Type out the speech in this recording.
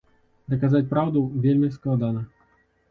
Даказаць праўду вельмі складана.